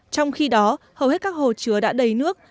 trong khi đó hầu hết các hồ chứa đã đầy nước